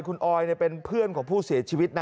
คุณออยเป็นเพื่อนของผู้เสียชีวิตนะ